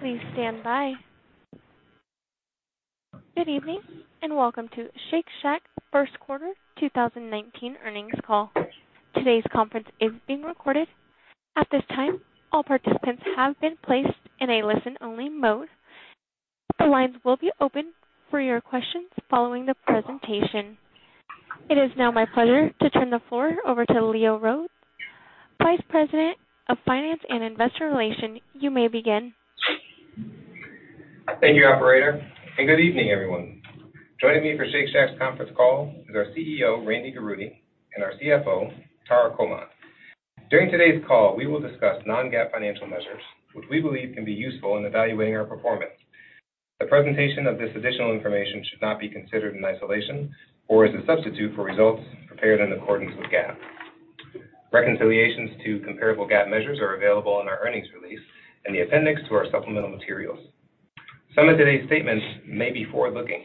Please stand by. Good evening, and welcome to Shake Shack first quarter 2019 earnings call. Today's conference is being recorded. At this time, all participants have been placed in a listen-only mode. The lines will be open for your questions following the presentation. It is now my pleasure to turn the floor over to Leo Rhodes, Vice President of Finance and Investor Relations. You may begin. Thank you, operator, and good evening, everyone. Joining me for Shake Shack's conference call is our CEO, Randy Garutti, and our CFO, Tara Comonte. During today's call, we will discuss non-GAAP financial measures, which we believe can be useful in evaluating our performance. The presentation of this additional information should not be considered in isolation or as a substitute for results prepared in accordance with GAAP. Reconciliations to comparable GAAP measures are available on our earnings release in the appendix to our supplemental materials. Some of today's statements may be forward-looking,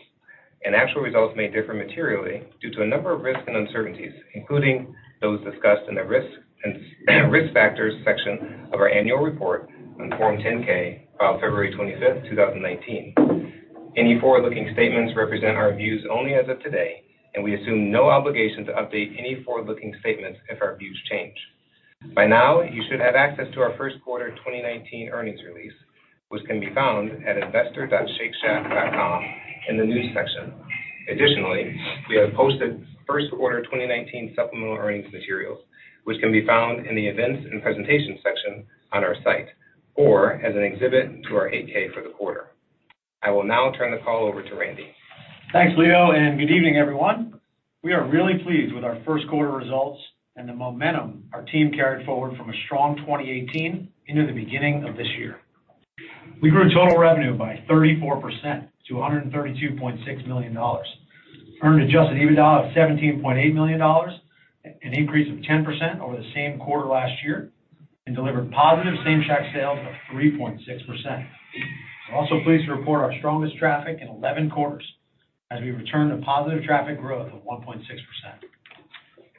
and actual results may differ materially due to a number of risks and uncertainties, including those discussed in the Risk Factors section of our annual report on Form 10-K, filed February 25, 2019. Any forward-looking statements represent our views only as of today, and we assume no obligation to update any forward-looking statements if our views change. By now, you should have access to our first quarter 2019 earnings release, which can be found at investor.shakeshack.com in the News section. Additionally, we have posted first quarter 2019 supplemental earnings materials, which can be found in the Events and Presentation section on our site or as an exhibit to our 8-K for the quarter. I will now turn the call over to Randy. Thanks, Leo, and good evening, everyone. We are really pleased with our first quarter results and the momentum our team carried forward from a strong 2018 into the beginning of this year. We grew total revenue by 34% to $132.6 million, earned adjusted EBITDA of $17.8 million, an increase of 10% over the same quarter last year, and delivered positive same Shack sales of 3.6%. We're also pleased to report our strongest traffic in 11 quarters as we return to positive traffic growth of 1.6%.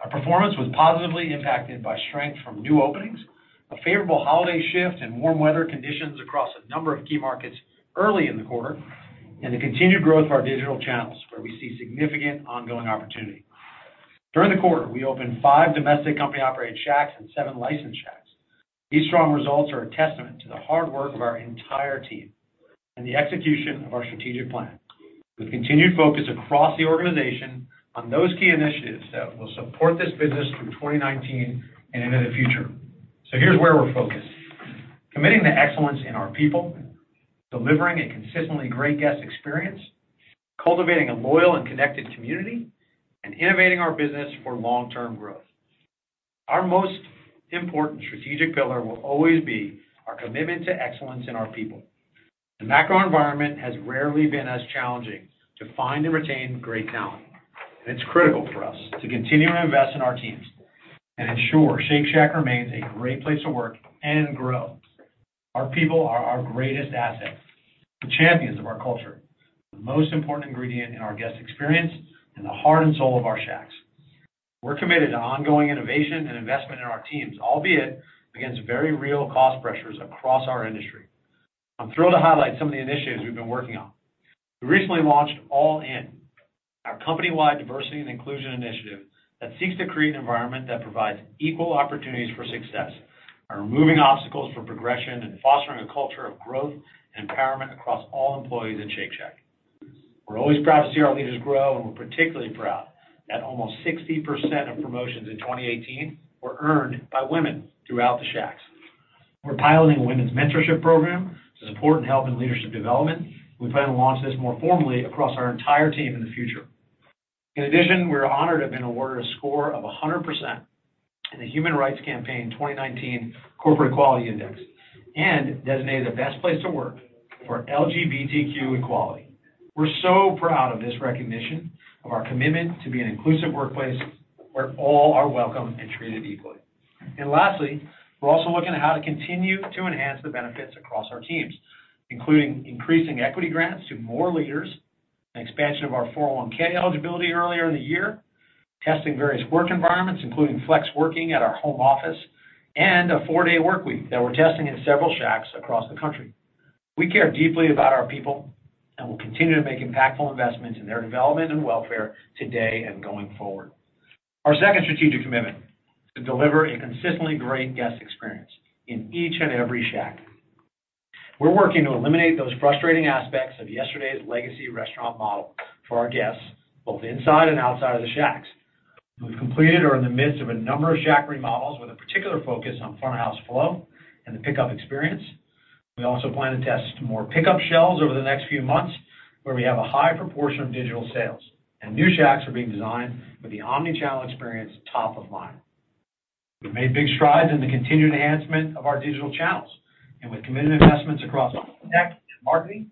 Our performance was positively impacted by strength from new openings, a favorable holiday shift and warm weather conditions across a number of key markets early in the quarter, and the continued growth of our digital channels, where we see significant ongoing opportunity. During the quarter, we opened five domestic company-operated Shacks and seven licensed Shacks. These strong results are a testament to the hard work of our entire team and the execution of our strategic plan. With continued focus across the organization on those key initiatives that will support this business through 2019 and into the future. Here's where we're focused. Committing to excellence in our people, delivering a consistently great guest experience, cultivating a loyal and connected community, and innovating our business for long-term growth. Our most important strategic pillar will always be our commitment to excellence in our people. The macro environment has rarely been as challenging to find and retain great talent. It's critical for us to continue to invest in our teams and ensure Shake Shack remains a great place to work and grow. Our people are our greatest asset, the champions of our culture, the most important ingredient in our guest experience, and the heart and soul of our Shacks. We're committed to ongoing innovation and investment in our teams, albeit against very real cost pressures across our industry. I'm thrilled to highlight some of the initiatives we've been working on. We recently launched All-In, our company-wide diversity and inclusion initiative that seeks to create an environment that provides equal opportunities for success by removing obstacles for progression and fostering a culture of growth and empowerment across all employees at Shake Shack. We're always proud to see our leaders grow, and we're particularly proud that almost 60% of promotions in 2018 were earned by women throughout the Shacks. We're piloting a women's mentorship program to support and help in leadership development. We plan to launch this more formally across our entire team in the future. In addition, we're honored to have been awarded a score of 100% in the Human Rights Campaign 2019 Corporate Equality Index and designated the best place to work for LGBTQ equality. We're so proud of this recognition of our commitment to be an inclusive workplace where all are welcome and treated equally. Lastly, we're also looking at how to continue to enhance the benefits across our teams, including increasing equity grants to more leaders, an expansion of our 401(k) eligibility earlier in the year, testing various work environments, including flex working at our home office, and a four-day workweek that we're testing in several Shacks across the country. We care deeply about our people and will continue to make impactful investments in their development and welfare today and going forward. Our second strategic commitment is to deliver a consistently great guest experience in each and every Shack. We're working to eliminate those frustrating aspects of yesterday's legacy restaurant model for our guests, both inside and outside of the Shacks. We've completed or are in the midst of a number of Shack remodels with a particular focus on front of house flow and the pickup experience. We also plan to test more pickup shelves over the next few months where we have a high proportion of digital sales. New Shacks are being designed with the omni-channel experience top of mind. We've made big strides in the continued enhancement of our digital channels, and with committed investments across tech and marketing,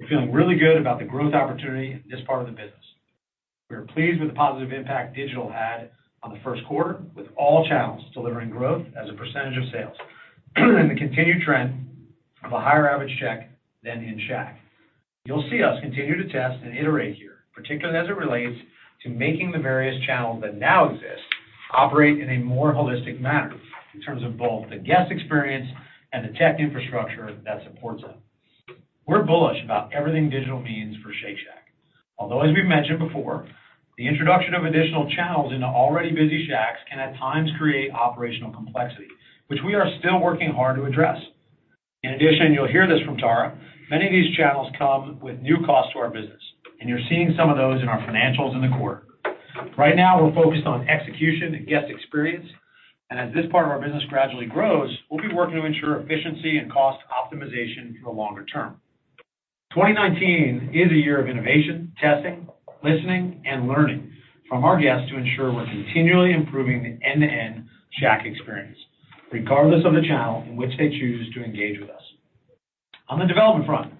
we're feeling really good about the growth opportunity in this part of the business. We are pleased with the positive impact digital had on the first quarter, with all channels delivering growth as a percentage of sales and the continued trend of a higher average check than in Shack. You'll see us continue to test and iterate here, particularly as it relates to making the various channels that now exist operate in a more holistic manner, in terms of both the guest experience and the tech infrastructure that supports it. We're bullish about everything digital means for Shake Shack, although, as we've mentioned before, the introduction of additional channels into already busy Shacks can at times create operational complexity, which we are still working hard to address. In addition, you'll hear this from Tara, many of these channels come with new costs to our business, and you're seeing some of those in our financials in the quarter. Right now, we're focused on execution and guest experience, and as this part of our business gradually grows, we'll be working to ensure efficiency and cost optimization for the longer term. 2019 is a year of innovation, testing, listening, and learning from our guests to ensure we're continually improving the end-to-end Shack experience, regardless of the channel in which they choose to engage with us. On the development front,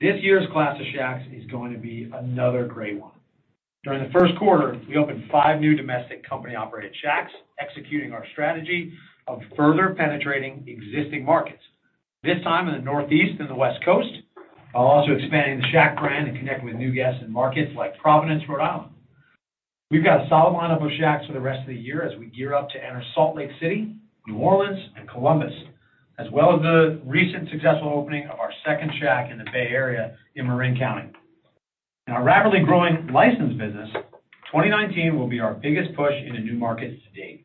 this year's class of Shacks is going to be another great one. During the first quarter, we opened five new domestic company-operated Shacks, executing our strategy of further penetrating existing markets, this time in the Northeast and the West Coast, while also expanding the Shack brand and connecting with new guests in markets like Providence, Rhode Island. We've got a solid lineup of Shacks for the rest of the year as we gear up to enter Salt Lake City, New Orleans, and Columbus, as well as the recent successful opening of our second Shack in the Bay Area in Marin County. In our rapidly growing licensed business, 2019 will be our biggest push into new markets to date,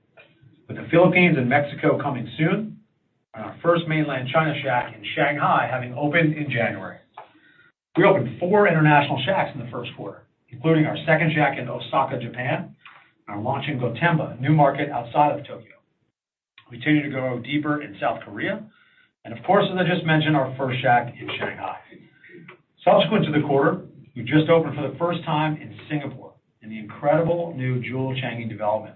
with the Philippines and Mexico coming soon, and our first mainland China Shack in Shanghai having opened in January. We opened four international Shacks in the first quarter, including our second Shack in Osaka, Japan, and are launching Gotemba, a new market outside of Tokyo. We continue to go deeper in South Korea, and of course, as I just mentioned, our first Shack in Shanghai. Subsequent to the quarter, we just opened for the first time in Singapore in the incredible new Jewel Changi development,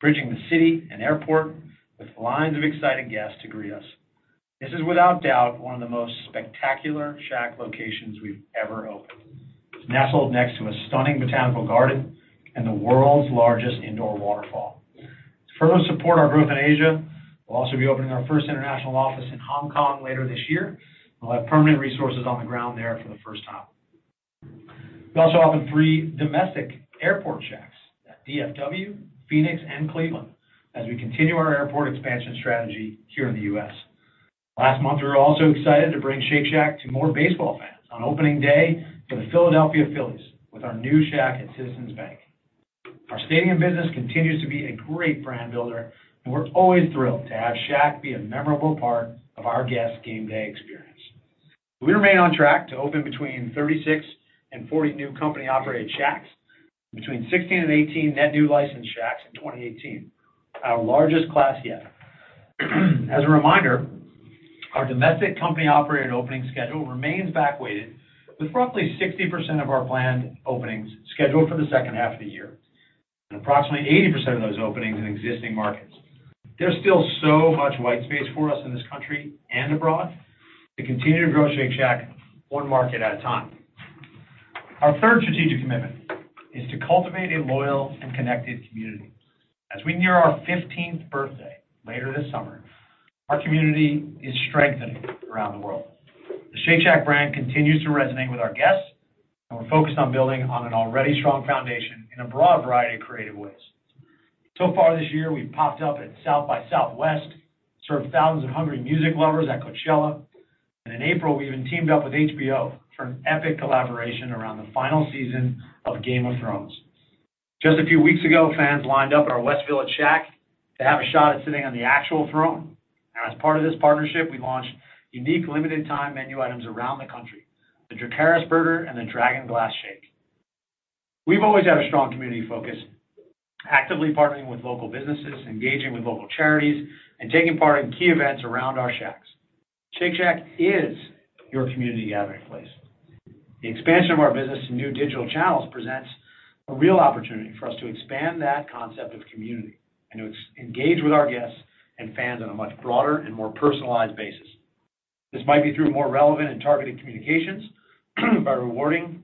bridging the city and airport with lines of excited guests to greet us. This is without doubt one of the most spectacular Shack locations we've ever opened. It's nestled next to a stunning botanical garden and the world's largest indoor waterfall. To further support our growth in Asia, we'll also be opening our first international office in Hong Kong later this year. We'll have permanent resources on the ground there for the first time. We also opened three domestic airport Shacks at DFW, Phoenix, and Cleveland as we continue our airport expansion strategy here in the U.S. Last month, we were also excited to bring Shake Shack to more baseball fans on opening day for the Philadelphia Phillies with our new Shack at Citizens Bank. Our stadium business continues to be a great brand builder, we're always thrilled to have Shack be a memorable part of our guests' game day experience. We remain on track to open between 36 and 40 new company-operated Shacks and between 16 and 18 net new licensed Shacks in 2018, our largest class yet. As a reminder, our domestic company-operated opening schedule remains back-weighted with roughly 60% of our planned openings scheduled for the second half of the year and approximately 80% of those openings in existing markets. There's still so much white space for us in this country and abroad to continue to grow Shake Shack one market at a time. Our third strategic commitment is to cultivate a loyal and connected community. As we near our 15th birthday later this summer, our community is strengthening around the world. The Shake Shack brand continues to resonate with our guests, we're focused on building on an already strong foundation in a broad variety of creative ways. Far this year, we've popped up at South by Southwest, served thousands of hungry music lovers at Coachella, in April, we even teamed up with HBO for an epic collaboration around the final season of "Game of Thrones." Just a few weeks ago, fans lined up at our West Village Shack to have a shot at sitting on the actual throne. As part of this partnership, we've launched unique limited-time menu items around the country, the Dracarys Burger and the Dragonglass Shake. We've always had a strong community focus, actively partnering with local businesses, engaging with local charities, and taking part in key events around our Shacks. Shake Shack is your community gathering place. The expansion of our business to new digital channels presents a real opportunity for us to expand that concept of community and to engage with our guests and fans on a much broader and more personalized basis. This might be through more relevant and targeted communications, by rewarding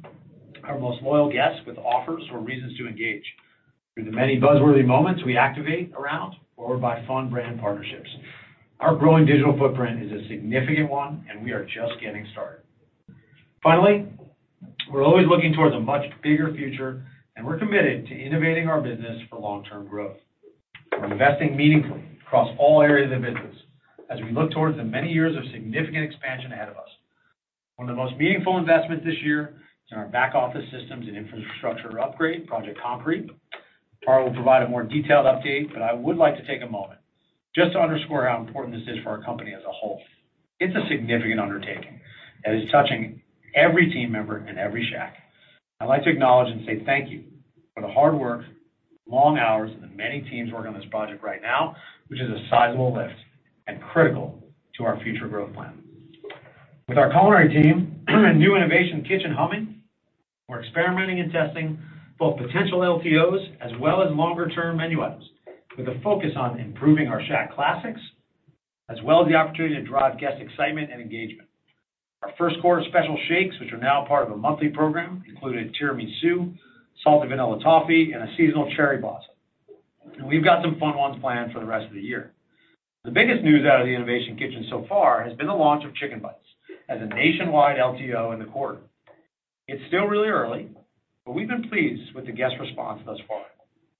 our most loyal guests with offers or reasons to engage, through the many buzz-worthy moments we activate around, or by fun brand partnerships. Our growing digital footprint is a significant one, we are just getting started. Finally, we're always looking towards a much bigger future, and we're committed to innovating our business for long-term growth. We're investing meaningfully across all areas of the business as we look towards the many years of significant expansion ahead of us. One of the most meaningful investments this year is in our back office systems and infrastructure upgrade, Project Concrete. Tara will provide a more detailed update, I would like to take a moment just to underscore how important this is for our company as a whole. It's a significant undertaking, as it's touching every team member in every Shack. I'd like to acknowledge and say thank you for the hard work, long hours, and the many teams working on this project right now, which is a sizable lift and critical to our future growth plan. With our culinary team and new innovation kitchen humming, we're experimenting and testing both potential LTOs as well as longer-term menu items, with a focus on improving our Shack classics, as well as the opportunity to drive guest excitement and engagement. Our first-quarter special shakes, which are now part of a monthly program, included tiramisu, salted vanilla toffee, and a seasonal cherry blossom. We've got some fun ones planned for the rest of the year. The biggest news out of the innovation kitchen so far has been the launch of Chicken Bites as a nationwide LTO in the quarter. It's still really early, but we've been pleased with the guest response thus far,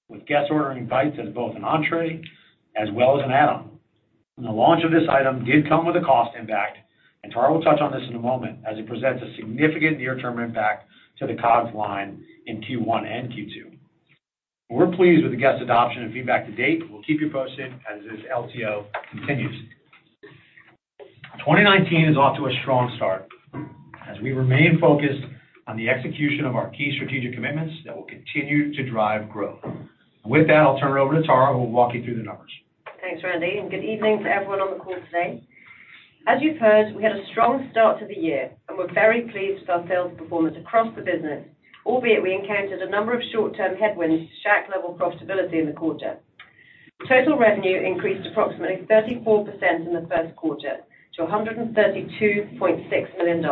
with guests ordering bites as both an entrée as well as an add-on. The launch of this item did come with a cost impact, and Tara will touch on this in a moment, as it presents a significant near-term impact to the COGS line in Q1 and Q2. We're pleased with the guest adoption and feedback to date. We'll keep you posted as this LTO continues. 2019 is off to a strong start as we remain focused on the execution of our key strategic commitments that will continue to drive growth. With that, I'll turn it over to Tara, who will walk you through the numbers. Thanks, Randy, and good evening to everyone on the call today. As you've heard, we had a strong start to the year, and we're very pleased with our sales performance across the business, albeit we encountered a number of short-term headwinds to Shack level profitability in the quarter. Total revenue increased approximately 34% in the first quarter to $132.6 million,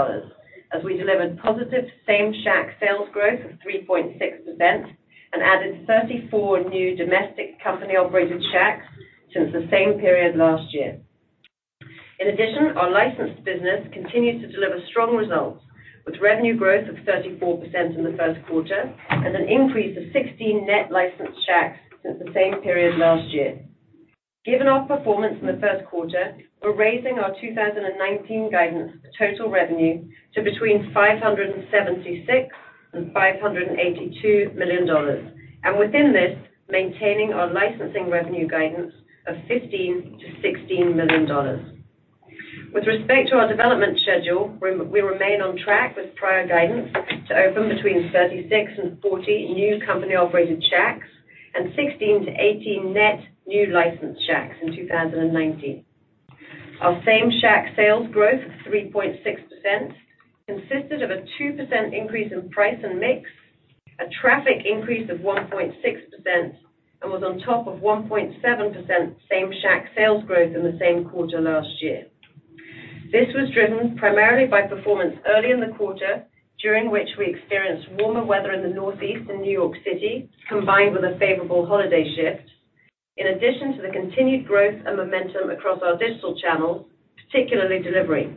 as we delivered positive same Shack sales growth of 3.6% and added 34 new domestic company-operated Shacks since the same period last year. In addition, our licensed business continues to deliver strong results, with revenue growth of 34% in the first quarter and an increase of 16 net licensed Shacks since the same period last year. Given our performance in the first quarter, we're raising our 2019 guidance for total revenue to between $576 million and $582 million, and within this, maintaining our licensing revenue guidance of $15 million to $16 million. With respect to our development schedule, we remain on track with prior guidance to open between 36 and 40 new company-operated Shacks and 16 to 18 net new licensed Shacks in 2019. Our same Shack sales growth of 3.6% consisted of a 2% increase in price and mix, a traffic increase of 1.6%, and was on top of 1.7% same Shack sales growth in the same quarter last year. This was driven primarily by performance early in the quarter, during which we experienced warmer weather in the Northeast and New York City, combined with a favorable holiday shift, in addition to the continued growth and momentum across our digital channels, particularly delivery.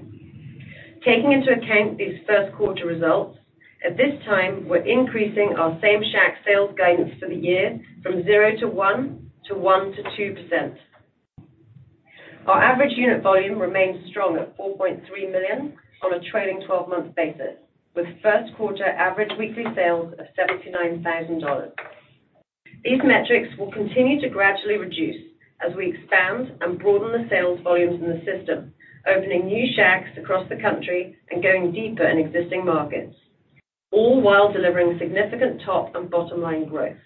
Taking into account these first quarter results, at this time, we're increasing our same Shack sales guidance for the year from 0%-1% to 1%-2%. Our average unit volume remains strong at $4.3 million on a trailing 12-month basis, with first quarter average weekly sales of $79,000. These metrics will continue to gradually reduce as we expand and broaden the sales volumes in the system, opening new Shacks across the country and going deeper in existing markets, all while delivering significant top and bottom line growth.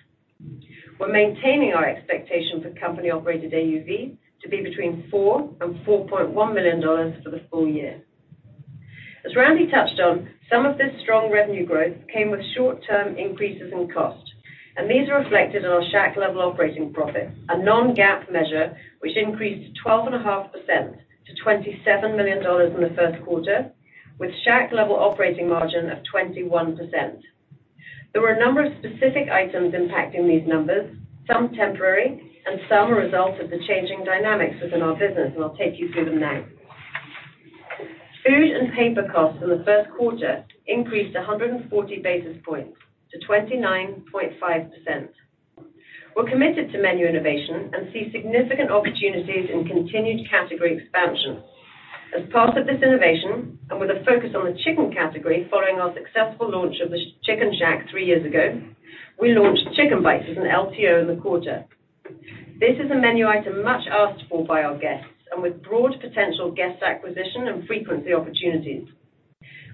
We're maintaining our expectation for company-operated AUV to be between $4 million and $4.1 million for the full year. As Randy touched on, some of this strong revenue growth came with short-term increases in cost, and these are reflected in our Shack level operating profit, a non-GAAP measure which increased 12.5% to $27 million in the first quarter, with Shack level operating margin of 21%. There were a number of specific items impacting these numbers, some temporary and some a result of the changing dynamics within our business. I'll take you through them now. Food and paper costs in the first quarter increased 140 basis points to 29.5%. We're committed to menu innovation and see significant opportunities in continued category expansion. As part of this innovation and with a focus on the chicken category following our successful launch of the Chick'n Shack three years ago, we launched Chicken Bites as an LTO in the quarter. This is a menu item much asked for by our guests and with broad potential guest acquisition and frequency opportunities.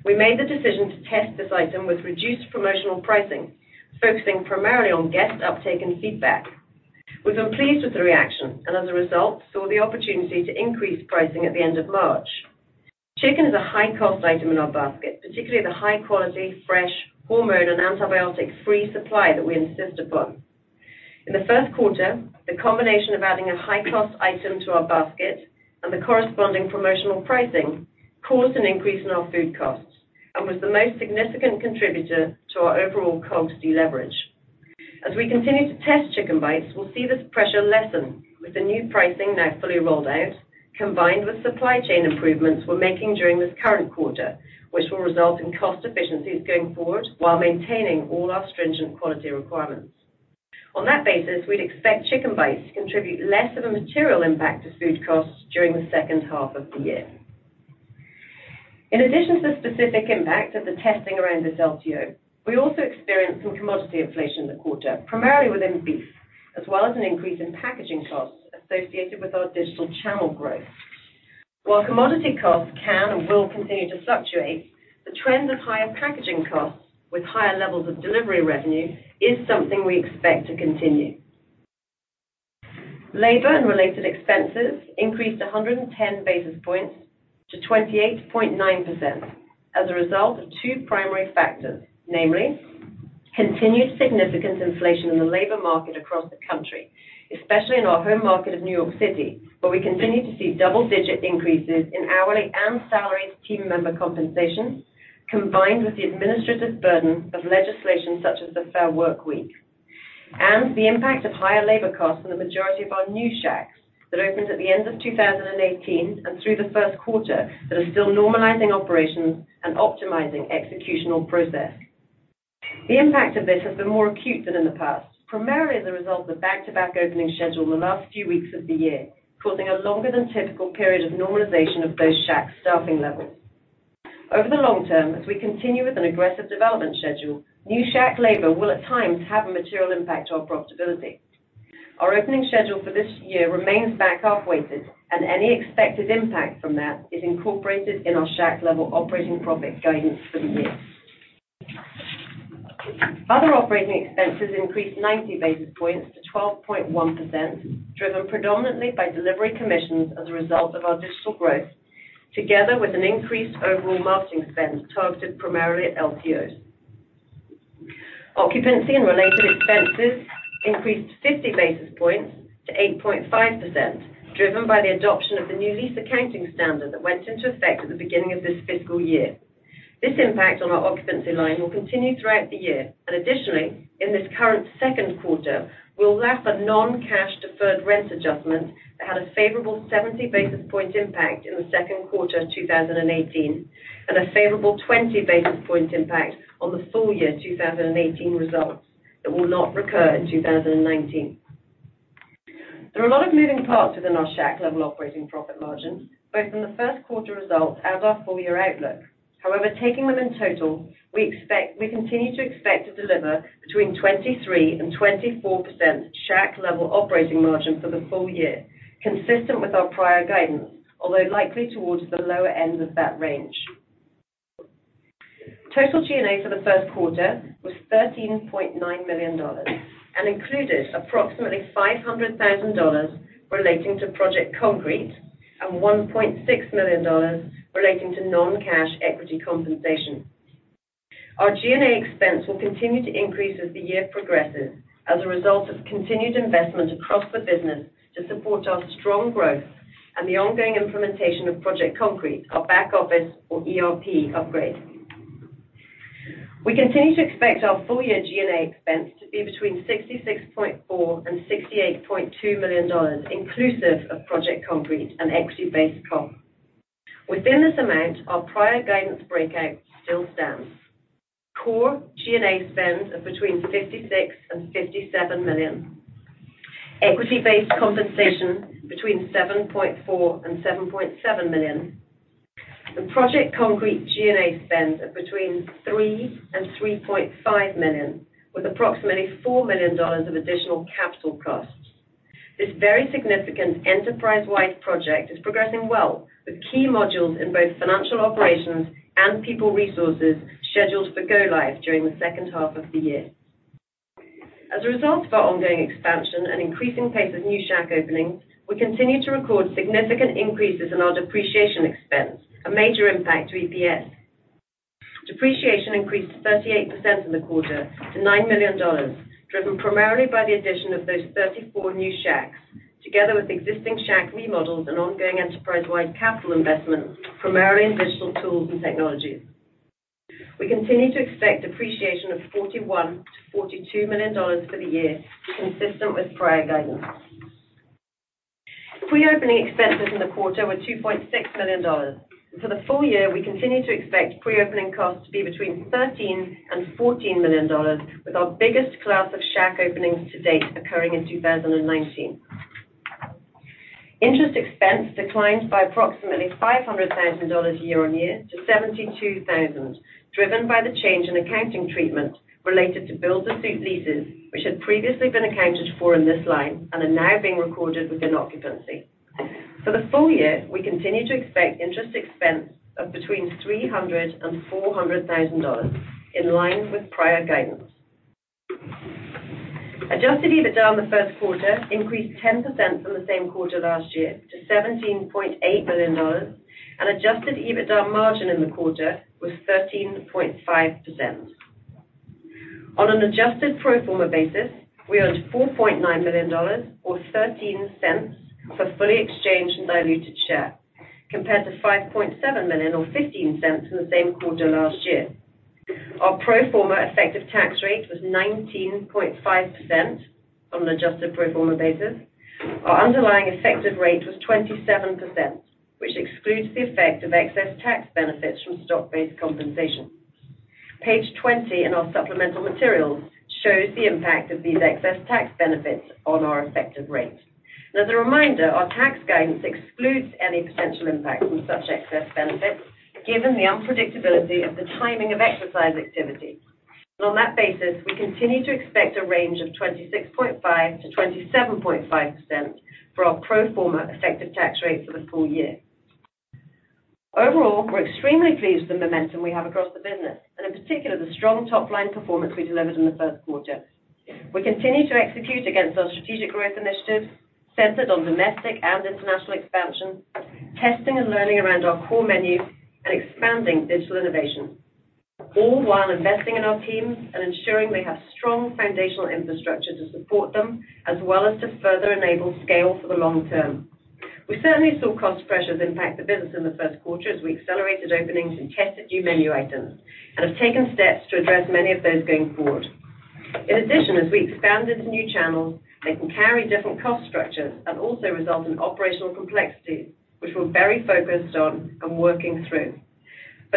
We made the decision to test this item with reduced promotional pricing, focusing primarily on guest uptake and feedback. We've been pleased with the reaction. As a result, saw the opportunity to increase pricing at the end of March. Chicken is a high-cost item in our basket, particularly the high quality, fresh, hormone and antibiotic-free supply that we insist upon. In the first quarter, the combination of adding a high-cost item to our basket and the corresponding promotional pricing caused an increase in our food costs and was the most significant contributor to our overall COGS deleverage. As we continue to test Chicken Bites, we'll see this pressure lessen with the new pricing now fully rolled out, combined with supply chain improvements we're making during this current quarter, which will result in cost efficiencies going forward while maintaining all our stringent quality requirements. On that basis, we'd expect Chicken Bites to contribute less of a material impact to food costs during the second half of the year. In addition to the specific impact of the testing around this LTO, we also experienced some commodity inflation in the quarter, primarily within beef, as well as an increase in packaging costs associated with our digital channel growth. While commodity costs can and will continue to fluctuate, the trend of higher packaging costs with higher levels of delivery revenue is something we expect to continue. Labor and related expenses increased 110 basis points to 28.9% as a result of two primary factors, namely continued significant inflation in the labor market across the country, especially in our home market of New York City, where we continue to see double-digit increases in hourly and salaried team member compensation. Combined with the administrative burden of legislation such as the Fair Workweek, and the impact of higher labor costs in the majority of our new Shacks that opened at the end of 2018 and through the first quarter, that are still normalizing operations and optimizing executional process. The impact of this has been more acute than in the past, primarily as a result of back-to-back opening schedule in the last few weeks of the year, causing a longer than typical period of normalization of those Shacks' staffing levels. Over the long term, as we continue with an aggressive development schedule, new Shack labor will at times have a material impact on our profitability. Our opening schedule for this year remains back-half weighted, and any expected impact from that is incorporated in our Shack-level operating profit guidance for the year. Other operating expenses increased 90 basis points to 12.1%, driven predominantly by delivery commissions as a result of our digital growth, together with an increased overall marketing spend targeted primarily at LTOs. Occupancy and related expenses increased 50 basis points to 8.5%, driven by the adoption of the new lease accounting standard that went into effect at the beginning of this fiscal year. This impact on our occupancy line will continue throughout the year. Additionally, in this current second quarter, we'll lap a non-cash deferred rent adjustment that had a favorable 70 basis point impact in the second quarter of 2018 and a favorable 20 basis point impact on the full year 2018 results that will not recur in 2019. There are a lot of moving parts within our Shack-level operating profit margin, both in the first quarter results and our full-year outlook. However, taking them in total, we continue to expect to deliver between 23%-24% Shack-level operating margin for the full year, consistent with our prior guidance, although likely towards the lower end of that range. Total G&A for the first quarter was $13.9 million and included approximately $500,000 relating to Project Concrete and $1.6 million relating to non-cash equity compensation. Our G&A expense will continue to increase as the year progresses as a result of continued investment across the business to support our strong growth and the ongoing implementation of Project Concrete, our back office or ERP upgrade. We continue to expect our full-year G&A expense to be between $66.4 million and $68.2 million, inclusive of Project Concrete and equity-based comp. Within this amount, our prior guidance breakout still stands. Core G&A spend of between $56 million and $57 million. Equity-based compensation between $7.4 million and $7.7 million. The Project Concrete G&A spends of between $3 million and $3.5 million, with approximately $4 million of additional capital costs. This very significant enterprise-wide project is progressing well with key modules in both financial operations and people resources scheduled for go live during the second half of the year. As a result of our ongoing expansion and increasing pace of new Shack openings, we continue to record significant increases in our depreciation expense, a major impact to EPS. Depreciation increased 38% in the quarter to $9 million, driven primarily by the addition of those 34 new Shacks, together with existing Shack remodels and ongoing enterprise-wide capital investments, primarily in digital tools and technologies. We continue to expect depreciation of $41 million-$42 million for the year, consistent with prior guidance. Pre-opening expenses in the quarter were $2.6 million. For the full year, we continue to expect pre-opening costs to be between $13 million and $14 million, with our biggest class of Shack openings to date occurring in 2019. Interest expense declined by approximately $500,000 year-on-year to $72,000, driven by the change in accounting treatment related to build-to-suit leases, which had previously been accounted for in this line and are now being recorded within occupancy. For the full year, we continue to expect interest expense of between $300,000 and $400,000, in line with prior guidance. Adjusted EBITDA in the first quarter increased 10% from the same quarter last year to $17.8 million, and adjusted EBITDA margin in the quarter was 13.5%. On an adjusted pro forma basis, we earned $4.9 million or $0.13 for fully exchanged and diluted share, compared to $5.7 million or $0.15 in the same quarter last year. Our pro forma effective tax rate was 19.5% on an adjusted pro forma basis. Our underlying effective rate was 27%, which excludes the effect of excess tax benefits from stock-based compensation. Page 20 in our supplemental materials shows the impact of these excess tax benefits on our effective rate. As a reminder, our tax guidance excludes any potential impact from such excess benefits, given the unpredictability of the timing of exercise activity. On that basis, we continue to expect a range of 26.5%-27.5% for our pro forma effective tax rate for the full year. Overall, we're extremely pleased with the momentum we have across the business, and in particular, the strong top-line performance we delivered in the first quarter. We continue to execute against our strategic growth initiatives centered on domestic and international expansion, testing and learning around our core menu, and expanding digital innovation, all while investing in our teams and ensuring they have strong foundational infrastructure to support them, as well as to further enable scale for the long term. We certainly saw cost pressures impact the business in the first quarter as we accelerated openings and tested new menu items, and have taken steps to address many of those going forward. In addition, as we expanded to new channels, they can carry different cost structures and also result in operational complexities, which we're very focused on and working through.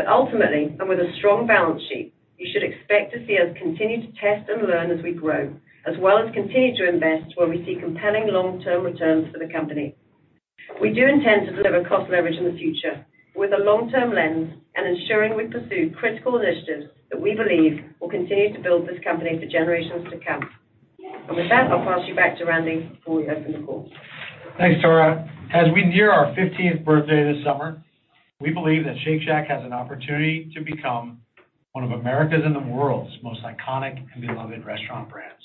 Ultimately, and with a strong balance sheet, you should expect to see us continue to test and learn as we grow, as well as continue to invest where we see compelling long-term returns for the company. We do intend to deliver cost leverage in the future with a long-term lens and ensuring we pursue critical initiatives that we believe will continue to build this company for generations to come. With that, I'll pass you back to Randy before we open the call. Thanks, Tara. As we near our 15th birthday this summer, we believe that Shake Shack has an opportunity to become one of America's and the world's most iconic and beloved restaurant brands.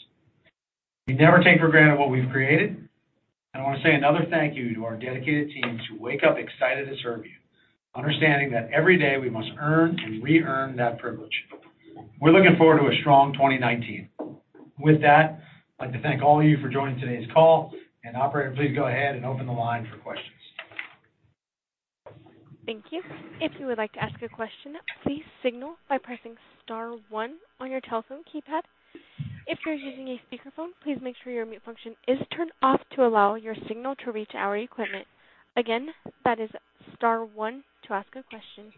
We never take for granted what we've created, and I want to say another thank you to our dedicated teams who wake up excited to serve you, understanding that every day we must earn and re-earn that privilege. We're looking forward to a strong 2019. With that, I'd like to thank all of you for joining today's call, operator, please go ahead and open the line for questions. Thank you. If you would like to ask a question, please signal by pressing star one on your telephone keypad. If you're using a speakerphone, please make sure your mute function is turned off to allow your signal to reach our equipment. Again, that is star one to ask a question.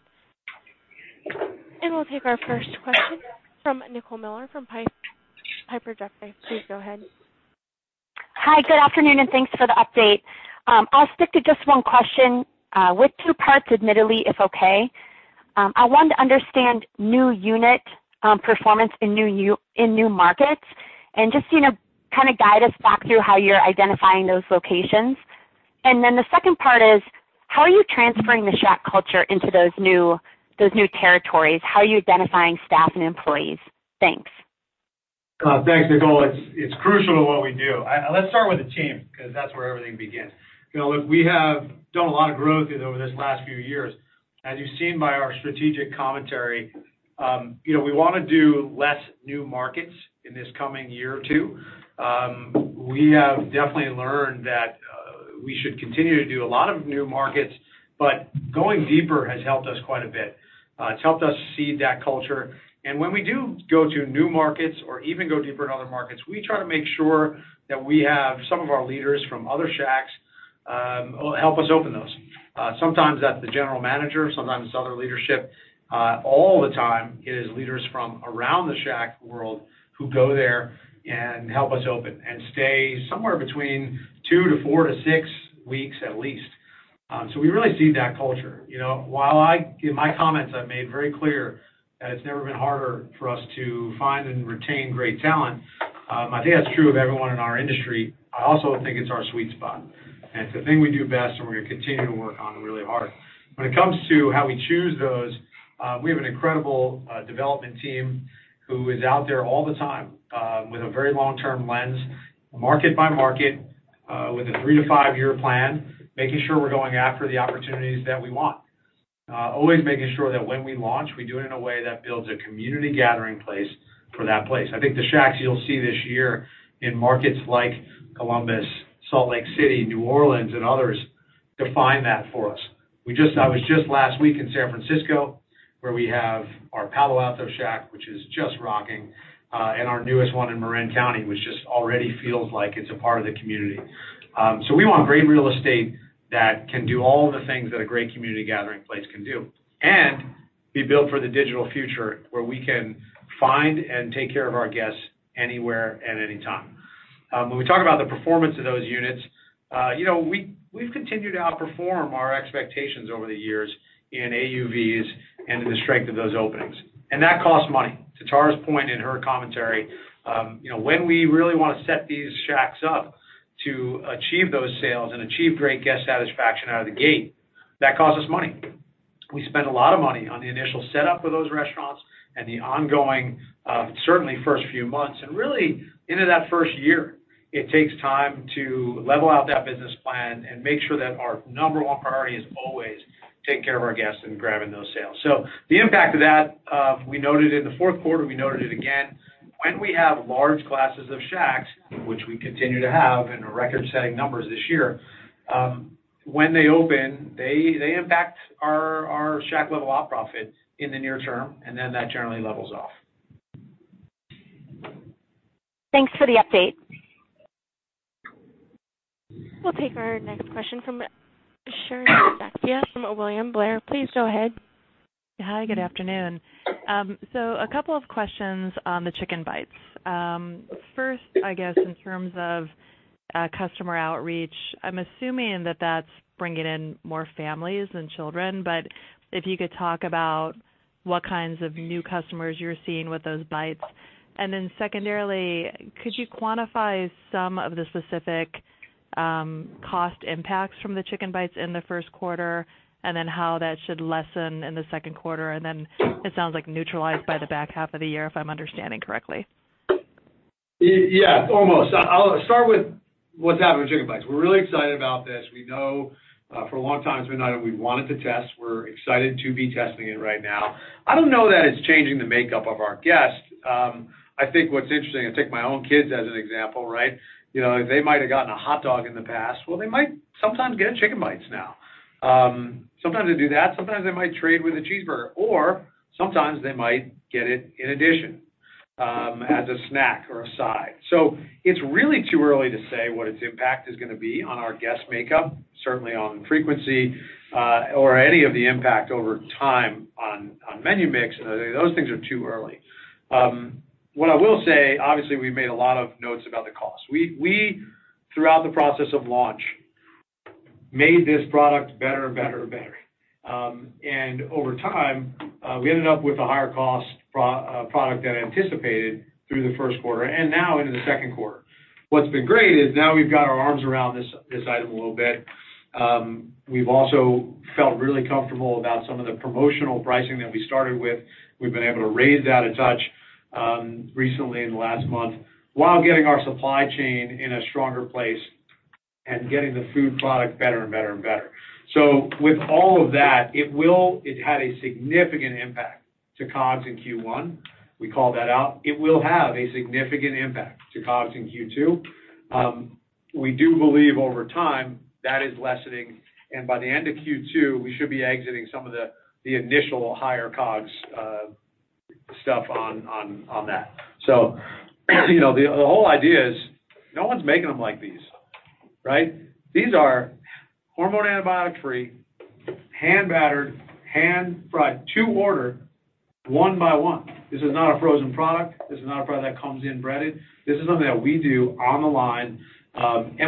We'll take our first question from Nicole Miller from Piper Jaffray. Please go ahead. Hi, good afternoon, thanks for the update. I'll stick to just one question with two parts, admittedly, if okay. I wanted to understand new unit performance in new markets and just guide us back through how you're identifying those locations. Then the second part is, how are you transferring the Shack culture into those new territories? How are you identifying staff and employees? Thanks. Thanks, Nicole. It's crucial to what we do. Let's start with the team because that's where everything begins. Look, we have done a lot of growth over these last few years. As you've seen by our strategic commentary, we want to do less new markets in this coming year or two. We have definitely learned that we should continue to do a lot of new markets, but going deeper has helped us quite a bit. It's helped us seed that culture. When we do go to new markets or even go deeper in other markets, we try to make sure that we have some of our leaders from other Shacks help us open those. Sometimes that's the general manager, sometimes it's other leadership. All the time it is leaders from around the Shack world who go there and help us open and stay somewhere between two to four to six weeks at least. We really seed that culture. In my comments, I've made very clear that it's never been harder for us to find and retain great talent. I think that's true of everyone in our industry. I also think it's our sweet spot, and it's a thing we do best, and we're going to continue to work on it really hard. When it comes to how we choose those, we have an incredible development team who is out there all the time with a very long-term lens, market by market, with a three to five-year plan, making sure we're going after the opportunities that we want. Always making sure that when we launch, we do it in a way that builds a community gathering place for that place. I think the Shacks you'll see this year in markets like Columbus, Salt Lake City, New Orleans, and others define that for us. I was just last week in San Francisco, where we have our Palo Alto Shack, which is just rocking, and our newest one in Marin County, which just already feels like it's a part of the community. We want great real estate that can do all the things that a great community gathering place can do and be built for the digital future where we can find and take care of our guests anywhere at any time. When we talk about the performance of those units, we've continued to outperform our expectations over the years in AUVs and in the strength of those openings. That costs money. To Tara's point in her commentary, when we really want to set these Shacks up to achieve those sales and achieve great guest satisfaction out of the gate, that costs us money. We spend a lot of money on the initial setup of those restaurants and the ongoing, certainly first few months, and really into that first year. It takes time to level out that business plan and make sure that our number 1 priority is always taking care of our guests and grabbing those sales. The impact of that, we noted in the fourth quarter, we noted it again. When we have large classes of Shacks, which we continue to have in our record-setting numbers this year, when they open, they impact our Shack-level op profit in the near term, and then that generally levels off. Thanks for the update. We'll take our next question from Sharon Zackfia from William Blair. Please go ahead. Hi, good afternoon. A couple of questions on the Chicken Bites. First, I guess in terms of customer outreach, I'm assuming that that's bringing in more families than children, but if you could talk about what kinds of new customers you're seeing with those bites. Secondarily, could you quantify some of the specific cost impacts from the Chicken Bites in the first quarter, and then how that should lessen in the second quarter, and then it sounds like neutralized by the back half of the year, if I'm understanding correctly. Yeah, almost. I'll start with what's happening with Chicken Bites. We're really excited about this. We know for a long time it's been an item we've wanted to test. We're excited to be testing it right now. I don't know that it's changing the makeup of our guests. I think what's interesting, I take my own kids as an example. They might have gotten a hot dog in the past. They might sometimes get Chicken Bites now. Sometimes they do that. Sometimes they might trade with a cheeseburger, or sometimes they might get it in addition as a snack or a side. It's really too early to say what its impact is going to be on our guest makeup, certainly on frequency, or any of the impact over time on menu mix. Those things are too early. What I will say, obviously, we've made a lot of notes about the cost. We, throughout the process of launch, made this product better and better. Over time, we ended up with a higher cost product than anticipated through the first quarter and now into the second quarter. What's been great is now we've got our arms around this item a little bit. We've also felt really comfortable about some of the promotional pricing that we started with. We've been able to raise that a touch recently in the last month while getting our supply chain in a stronger place and getting the food product better and better. With all of that, it had a significant impact to COGS in Q1. We called that out. It will have a significant impact to COGS in Q2. We do believe over time, that is lessening, by the end of Q2, we should be exiting some of the initial higher COGS stuff on that. The whole idea is no one's making them like these. These are hormone, antibiotic-free, hand-battered, hand-fried to order one by one. This is not a frozen product. This is not a product that comes in breaded. This is something that we do on the line.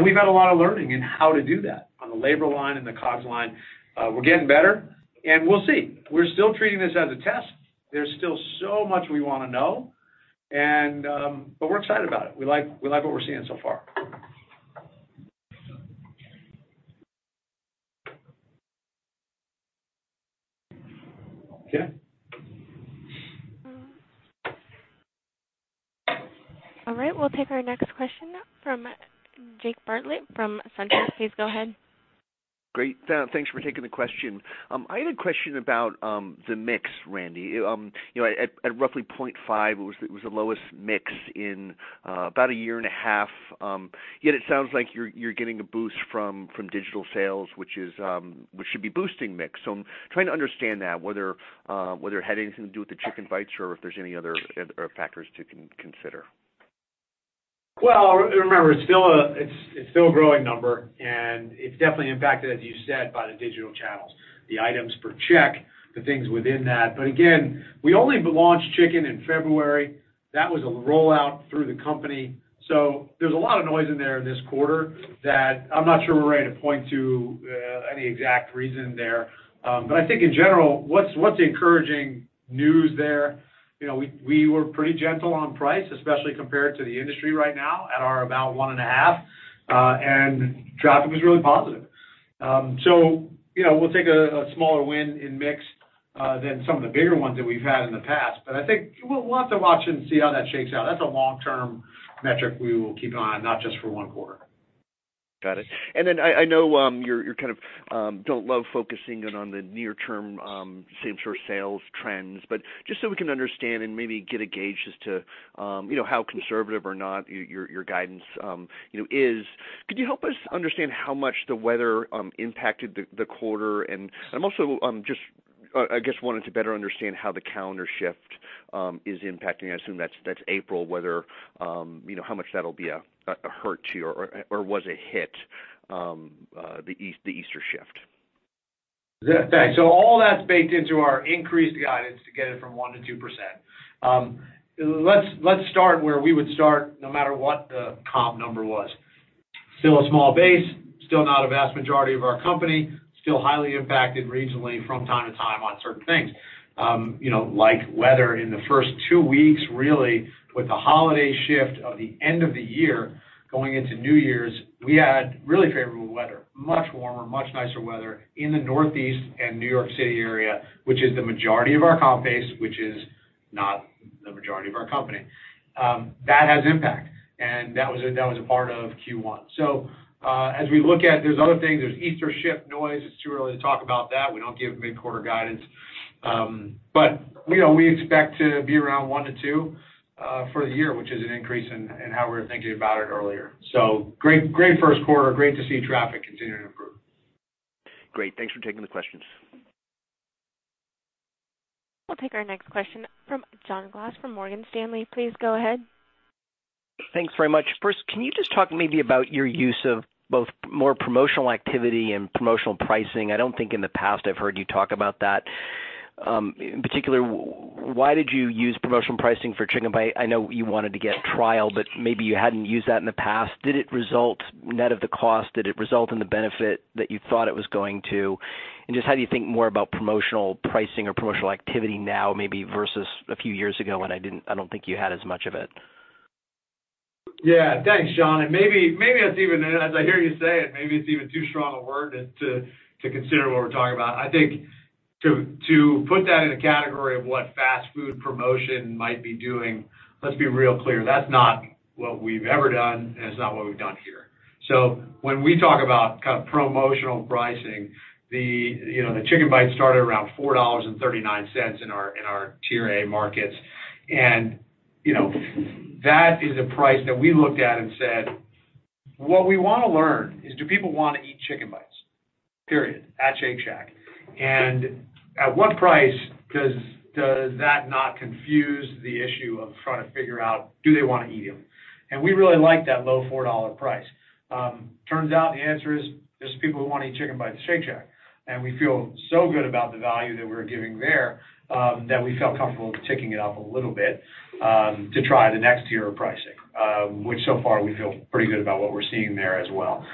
We've had a lot of learning in how to do that on the labor line and the COGS line. We're getting better, and we'll see. We're still treating this as a test. There's still so much we want to know, we're excited about it. We like what we're seeing so far. Okay. All right. We'll take our next question from Jake Bartlett from SunTrust. Please go ahead. Great. Thanks for taking the question. I had a question about the mix, Randy. At roughly 0.5, it was the lowest mix in about a year and a half. It sounds like you're getting a boost from digital sales, which should be boosting mix. I'm trying to understand that, whether it had anything to do with the Chicken Bites or if there's any other factors to consider. Well, remember, it's still a growing number. It's definitely impacted, as you said, by the digital channels, the items per check, the things within that. Again, we only launched chicken in February. That was a rollout through the company. There's a lot of noise in there this quarter that I'm not sure we're ready to point to any exact reason there. I think in general, what's encouraging news there, we were pretty gentle on price, especially compared to the industry right now at our about 1.5%, and traffic was really positive. We'll take a smaller win in mix than some of the bigger ones that we've had in the past. I think we'll have to watch and see how that shakes out. That's a long-term metric we will keep an eye on, not just for one quarter. Got it. I know you don't love focusing in on the near-term same-store sales trends, just so we can understand and maybe get a gauge as to how conservative or not your guidance is, could you help us understand how much the weather impacted the quarter? I also just, I guess, wanted to better understand how the calendar shift is impacting. I assume that's April, how much that'll be a hurt to you or was a hit, the Easter shift. Yeah. All that's baked into our increased guidance to get it from 1% to 2%. Let's start where we would start no matter what the comp number was. Still a small base, still not a vast majority of our company, still highly impacted regionally from time to time on certain things. Like weather in the first two weeks, really, with the holiday shift of the end of the year going into New Year's, we had really favorable weather, much warmer, much nicer weather in the Northeast and New York City area, which is the majority of our comp base, which is not the majority of our company. That has impact, and that was a part of Q1. As we look at, there's other things, there's Easter shift noise. It's too early to talk about that. We don't give mid-quarter guidance. We expect to be around 1%-2% for the year, which is an increase in how we were thinking about it earlier. Great first quarter, great to see traffic continuing to improve. Great. Thanks for taking the questions. We'll take our next question from John Glass from Morgan Stanley. Please go ahead. Thanks very much. First, can you just talk maybe about your use of both more promotional activity and promotional pricing? I don't think in the past I've heard you talk about that. In particular, why did you use promotional pricing for Chicken Bites? I know you wanted to get trial, but maybe you hadn't used that in the past. Did it result net of the cost? Did it result in the benefit that you thought it was going to? How do you think more about promotional pricing or promotional activity now maybe versus a few years ago when I don't think you had as much of it? Yeah. Thanks, John. Maybe as I hear you say it, maybe it's even too strong a word to consider what we're talking about. I think to put that in a category of what fast food promotion might be doing, let's be real clear. That's not what we've ever done, and it's not what we've done here. When we talk about promotional pricing, the Chicken Bites started around $4.39 in our Tier A markets. That is a price that we looked at and said, what we want to learn is do people want to eat Chicken Bites, period, at Shake Shack? At what price does that not confuse the issue of trying to figure out do they want to eat them? We really like that low $4 price. Turns out the answer is there's people who want to eat Chicken Bites at Shake Shack, and we feel so good about the value that we're giving there, that we felt comfortable ticking it up a little bit, to try the next tier of pricing, which so far we feel pretty good about what we're seeing there as well.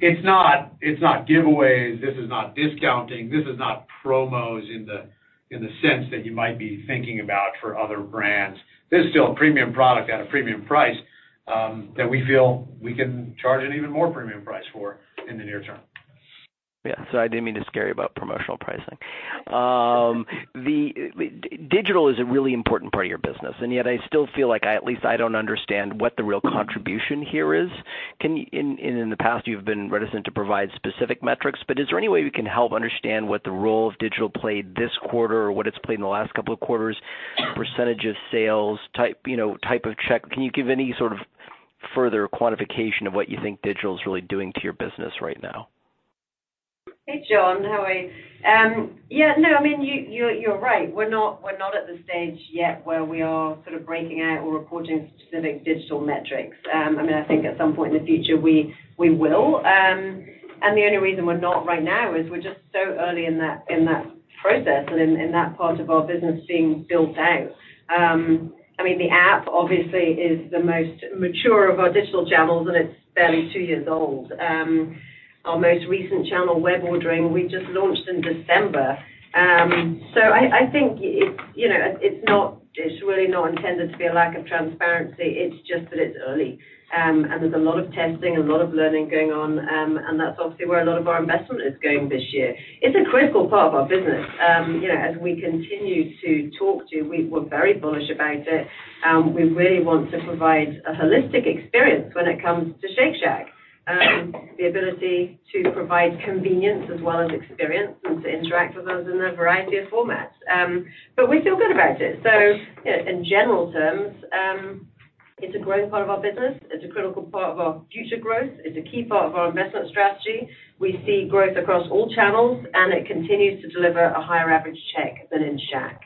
It's not giveaways. This is not discounting. This is not promos in the sense that you might be thinking about for other brands. This is still a premium product at a premium price, that we feel we can charge an even more premium price for in the near term. Yeah. I didn't mean to scare you about promotional pricing. Digital is a really important part of your business, and yet I still feel like I, at least I don't understand what the real contribution here is. In the past, you've been reticent to provide specific metrics, but is there any way we can help understand what the role of digital played this quarter or what it's played in the last couple of quarters, % of sales, type of check? Can you give any sort of further quantification of what you think digital's really doing to your business right now? Hey, John. How are you? Yeah, you're right. We're not at the stage yet where we are sort of breaking out or reporting specific digital metrics. I think at some point in the future, we will. The only reason we're not right now is we're just so early in that process and in that part of our business being built out. The app obviously is the most mature of our digital channels, and it's barely two years old. Our most recent channel, web ordering, we just launched in December. I think it's really not intended to be a lack of transparency. It's just that it's early. There's a lot of testing and a lot of learning going on, and that's obviously where a lot of our investment is going this year. It's a critical part of our business. As we continue to talk to, we're very bullish about it. We really want to provide a holistic experience when it comes to Shake Shack. The ability to provide convenience as well as experience and to interact with us in a variety of formats. We feel good about it. In general terms, it's a growing part of our business. It's a critical part of our future growth. It's a key part of our investment strategy. We see growth across all channels, and it continues to deliver a higher average check than in Shack.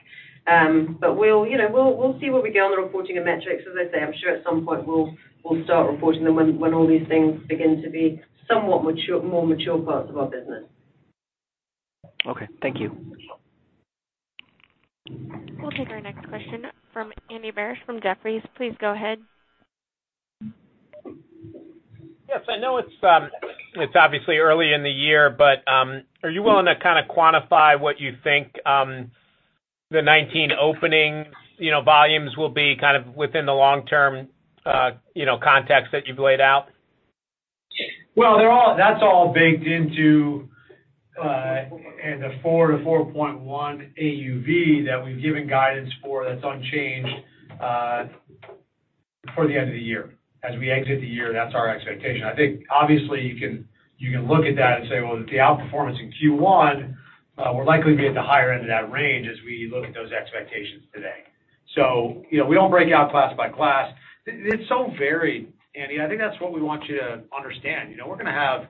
We'll see where we go on the reporting of metrics. As I say, I'm sure at some point we'll start reporting them when all these things begin to be somewhat more mature parts of our business. Okay. Thank you. We'll take our next question from Andy Barish from Jefferies. Please go ahead. I know it's obviously early in the year, but are you willing to kind of quantify what you think the 2019 opening volumes will be kind of within the long-term context that you've laid out? Well, that's all baked into the 4-4.1 AUV that we've given guidance for. That's unchanged for the end of the year. As we exit the year, that's our expectation. I think obviously, you can look at that and say, well, with the outperformance in Q1, we're likely to be at the higher end of that range as we look at those expectations today. We don't break out class by class. It's so varied, Andy. I think that's what we want you to understand. We're going to have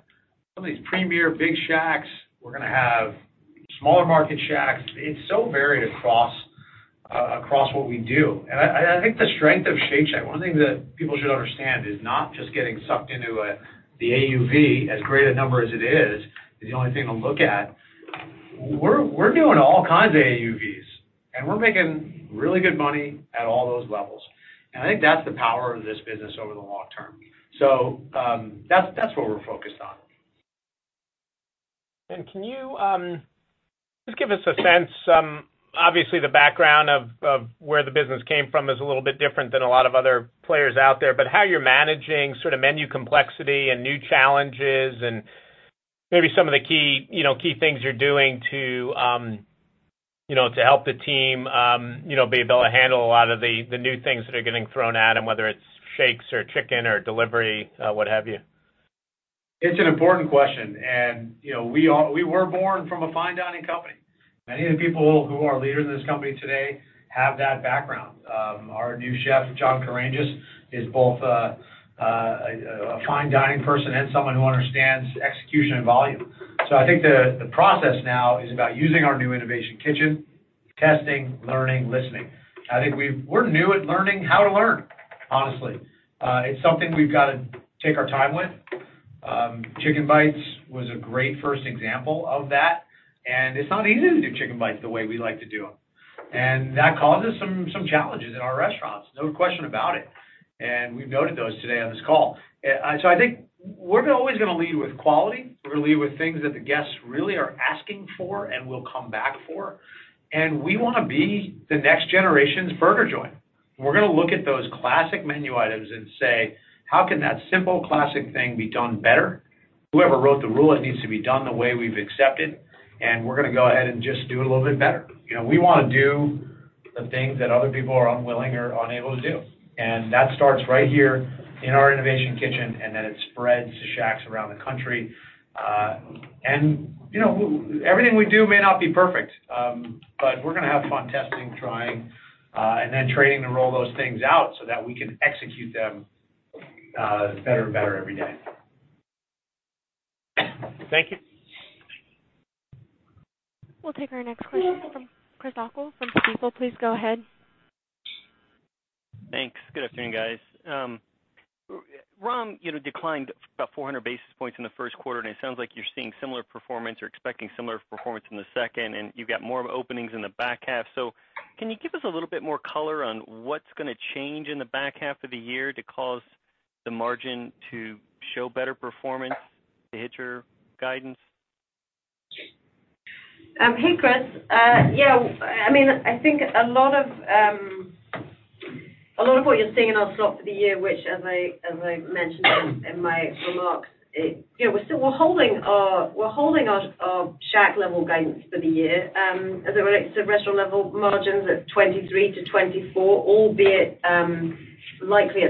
some of these premier big Shacks. We're going to have smaller market Shacks. It's so varied across what we do. I think the strength of Shake Shack, one of the things that people should understand is not just getting sucked into the AUV, as great a number as it is the only thing to look at. We're doing all kinds of AUVs, we're making really good money at all those levels, I think that's the power of this business over the long term. That's what we're focused on. Can you just give us a sense, obviously the background of where the business came from is a little bit different than a lot of other players out there, but how you're managing sort of menu complexity and new challenges and maybe some of the key things you're doing to help the team be able to handle a lot of the new things that are getting thrown at them, whether it's shakes or chicken or delivery, what have you? It's an important question. We were born from a fine dining company. Many of the people who are leaders in this company today have that background. Our new chef, John Karangis, is both a fine dining person and someone who understands execution and volume. I think the process now is about using our new innovation kitchen, testing, learning, listening. I think we're new at learning how to learn, honestly. It's something we've got to take our time with. Chicken Bites was a great first example of that, it's not easy to do Chicken Bites the way we like to do them. That causes some challenges in our restaurants, no question about it. We've noted those today on this call. I think we're always going to lead with quality. We're going to lead with things that the guests really are asking for and will come back for, we want to be the next generation's burger joint. We're going to look at those classic menu items and say, "How can that simple classic thing be done better? Whoever wrote the rule, it needs to be done the way we've accepted, we're going to go ahead and just do it a little bit better." We want to do the things that other people are unwilling or unable to do, that starts right here in our innovation kitchen, then it spreads to Shacks around the country. Everything we do may not be perfect, but we're going to have fun testing, trying, then training to roll those things out so that we can execute them better and better every day. Thank you. We'll take our next question from Chris O'Cull from Stifel. Please go ahead. Thanks. Good afternoon, guys. ROM declined about 400 basis points in the first quarter, and it sounds like you're seeing similar performance or expecting similar performance in the second, and you've got more openings in the back half. Can you give us a little bit more color on what's going to change in the back half of the year to cause the margin to show better performance to hit your guidance? Hey, Chris. I think a lot of what you're seeing in our outlook for the year, which as I mentioned in my remarks, we're holding our Shack level guidance for the year as it relates to restaurant-level margins at 23%-24%, albeit likely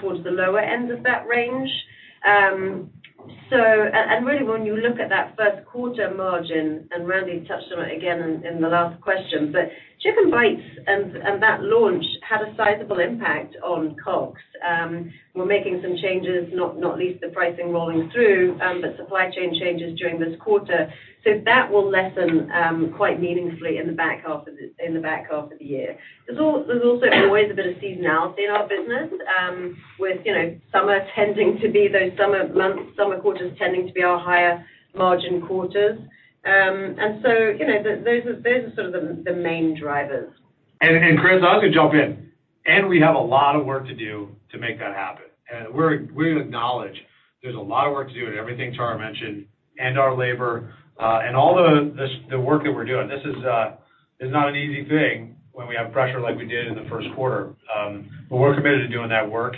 towards the lower end of that range. Really, when you look at that first quarter margin, and Randy touched on it again in the last question, Chicken Bites and that launch had a sizable impact on COGS. We're making some changes, not least the pricing rolling through, but supply chain changes during this quarter. That will lessen quite meaningfully in the back half of the year. There's also always a bit of seasonality in our business, with summer quarters tending to be our higher margin quarters. Those are sort of the main drivers. Chris, I was going to jump in. We have a lot of work to do to make that happen. We acknowledge there's a lot of work to do in everything Tara mentioned and our labor, and all the work that we're doing. This is not an easy thing when we have pressure like we did in the first quarter. We're committed to doing that work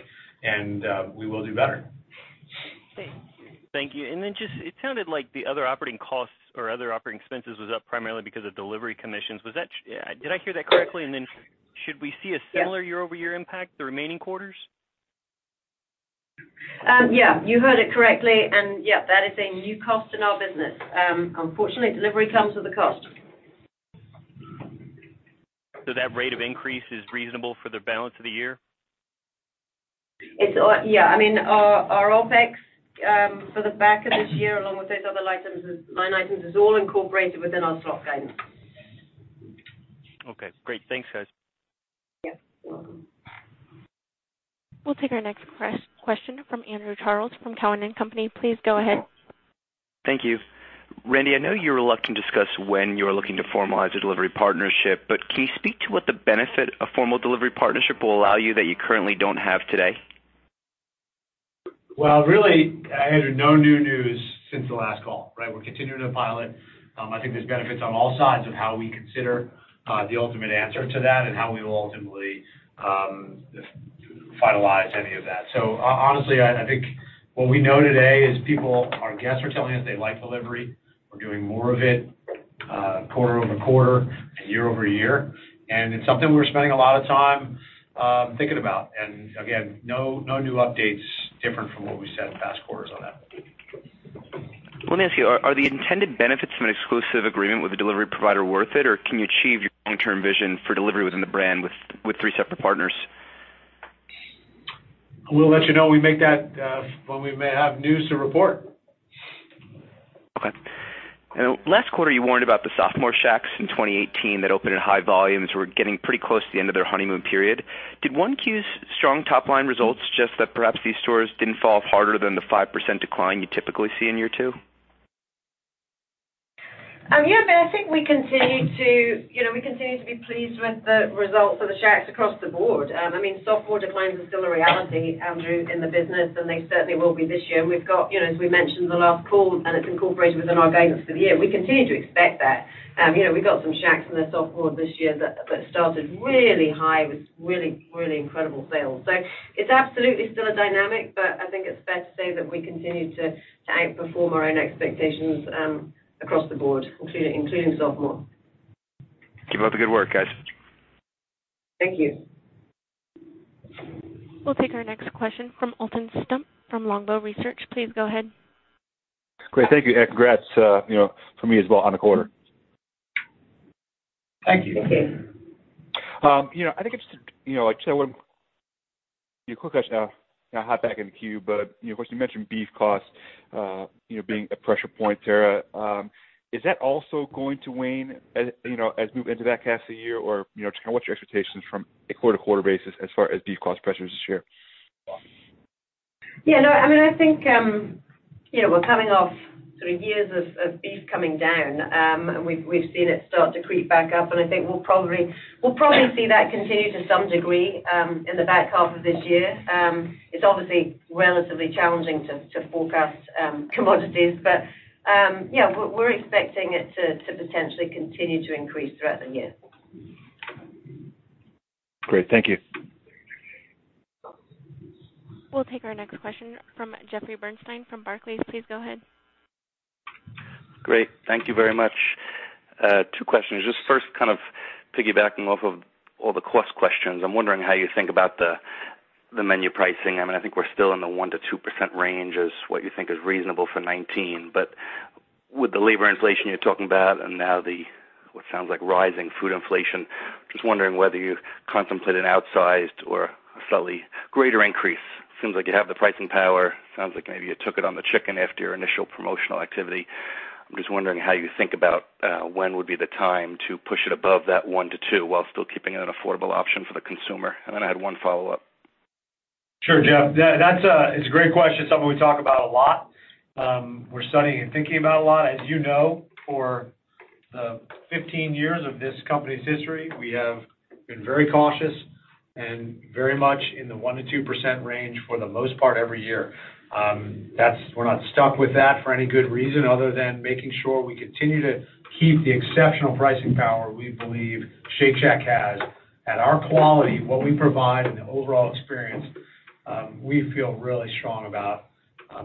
and we will do better. Thanks. Thank you. Just, it sounded like the other operating costs or other operating expenses was up primarily because of delivery commissions. Did I hear that correctly? Then should we see a similar year-over-year impact the remaining quarters? Yeah, you heard it correctly and yeah, that is a new cost in our business. Unfortunately, delivery comes with a cost. That rate of increase is reasonable for the balance of the year? Yeah. Our OPEX for the back end this year, along with those other line items, is all incorporated within our outlook guidance. Okay, great. Thanks, guys. Yeah. You're welcome. We'll take our next question from Andrew Charles from Cowen and Company. Please go ahead. Thank you. Randy, I know you're reluctant to discuss when you're looking to formalize a delivery partnership, can you speak to what the benefit a formal delivery partnership will allow you that you currently don't have today? Well, really, Andrew, no new news since the last call, right? We're continuing to pilot. I think there's benefits on all sides of how we consider the ultimate answer to that and how we will ultimately finalize any of that. Honestly, I think what we know today is our guests are telling us they like delivery. We're doing more of it quarter-over-quarter and year-over-year, it's something we're spending a lot of time thinking about. Again, no new updates different from what we've said in past quarters on that. Let me ask you, are the intended benefits from an exclusive agreement with a delivery provider worth it, can you achieve your long-term vision for delivery within the brand with three separate partners? We'll let you know when we may have news to report. Okay. Last quarter, you warned about the sophomore Shacks in 2018 that opened at high volumes were getting pretty close to the end of their honeymoon period. Did 1Q's strong top-line results suggest that perhaps these stores didn't fall harder than the 5% decline you typically see in year two? I think we continue to be pleased with the results of the Shacks across the board. Sophomore declines are still a reality, Andrew, in the business, and they certainly will be this year. We've got, as we mentioned in the last call, and it's incorporated within our guidance for the year, we continue to expect that. We've got some Shacks in the sophomore this year that started really high with really incredible sales. It's absolutely still a dynamic, but I think it's fair to say that we continue to outperform our own expectations across the board, including sophomore. Keep up the good work, guys. Thank you. We'll take our next question from Alton Stump from Longbow Research. Please go ahead. Great. Thank you, and congrats from me as well on the quarter. Thank you. Thank you. I just want a quick question, hop back in queue, but of course you mentioned beef cost being a pressure point, Tara. Is that also going to wane as we move into the back half of the year? Just kind of what's your expectations from a quarter-to-quarter basis as far as beef cost pressures this year? Yeah, I think we're coming off three years of beef coming down. We've seen it start to creep back up, and I think we'll probably see that continue to some degree in the back half of this year. It's obviously relatively challenging to forecast commodities, but we're expecting it to potentially continue to increase throughout the year. Great. Thank you. We'll take our next question from Jeffrey Bernstein from Barclays. Please go ahead. Great. Thank you very much. Two questions. Just first kind of piggybacking off of all the cost questions. I'm wondering how you think about the menu pricing. I think we're still in the 1%-2% range is what you think is reasonable for 2019. With the labor inflation you're talking about and now what sounds like rising food inflation, just wondering whether you contemplate an outsized or a slightly greater increase. Seems like you have the pricing power. Sounds like maybe you took it on the chicken after your initial promotional activity. I'm just wondering how you think about when would be the time to push it above that 1%-2% while still keeping it an affordable option for the consumer. I had one follow-up. Sure, Jeff. It's a great question, something we talk about a lot. We're studying and thinking about a lot. As you know, for the 15 years of this company's history, we have been very cautious and very much in the 1%-2% range for the most part every year. We're not stuck with that for any good reason other than making sure we continue to keep the exceptional pricing power we believe Shake Shack has. At our quality, what we provide, and the overall experience, we feel really strong about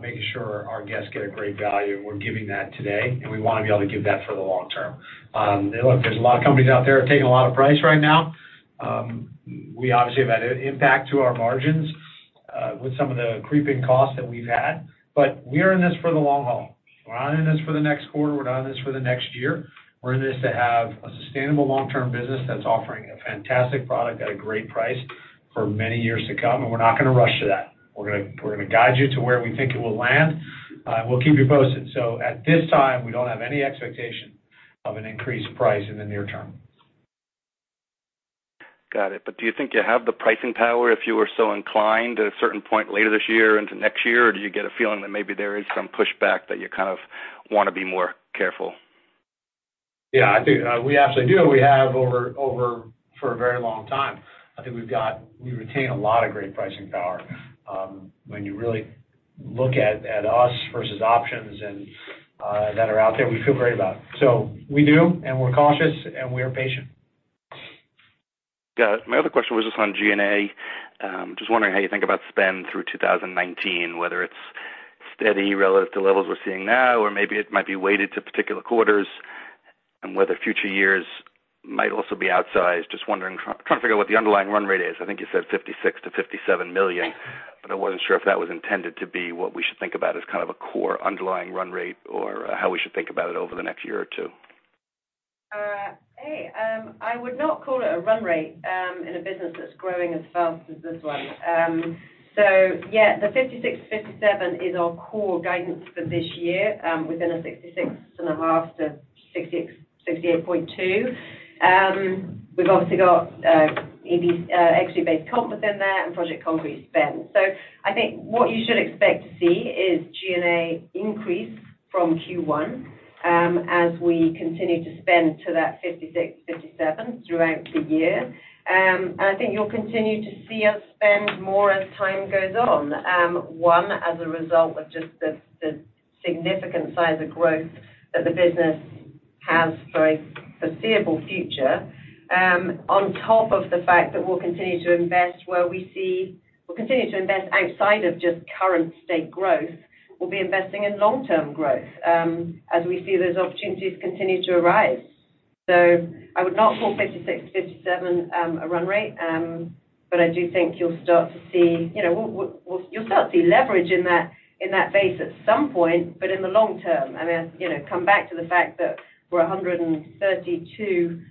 making sure our guests get a great value, and we're giving that today, and we want to be able to give that for the long term. Look, there's a lot of companies out there taking a lot of price right now. We obviously have had impact to our margins with some of the creeping costs that we've had. We are in this for the long haul. We're not in this for the next quarter, we're not in this for the next year. We're in this to have a sustainable long-term business that's offering a fantastic product at a great price for many years to come. We're not going to rush to that. We're going to guide you to where we think it will land. We'll keep you posted. At this time, we don't have any expectation of an increased price in the near term. Got it. Do you think you have the pricing power if you were so inclined at a certain point later this year into next year? Do you get a feeling that maybe there is some pushback that you kind of want to be more careful? I think we absolutely do. We have for a very long time. I think we retain a lot of great pricing power. When you really look at us versus options that are out there, we feel great about it. We do, and we're cautious, and we are patient. Got it. My other question was just on G&A. Just wondering how you think about spend through 2019, whether it's steady relative to levels we're seeing now, or maybe it might be weighted to particular quarters, and whether future years might also be outsized. Just trying to figure out what the underlying run rate is. I think you said $56 million-$57 million, but I wasn't sure if that was intended to be what we should think about as kind of a core underlying run rate or how we should think about it over the next year or two. Hey, I would not call it a run rate in a business that's growing as fast as this one. The $56-$57 is our core guidance for this year, within a $66.5-$68.2. We've obviously got equity-based comp within there and Project Concrete spend. I think what you should expect to see is G&A increase from Q1 as we continue to spend to that $56-$57 throughout the year. I think you'll continue to see us spend more as time goes on. One, as a result of just the significant size of growth that the business has for a foreseeable future, on top of the fact that we'll continue to invest outside of just current state growth. We'll be investing in long-term growth as we see those opportunities continue to arise. I would not call $56-$57 a run rate, but I do think you'll start to see leverage in that base at some point, but in the long term. I come back to the fact that we're 132